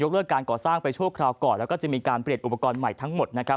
เลิกการก่อสร้างไปชั่วคราวก่อนแล้วก็จะมีการเปลี่ยนอุปกรณ์ใหม่ทั้งหมดนะครับ